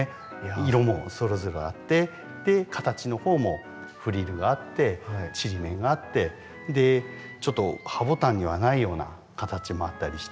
色もそれぞれあって形の方もフリルがあってちりめんがあってちょっとハボタンにはないような形もあったりして。